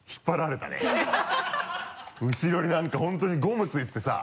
後ろになんか本当にゴム付いててさ。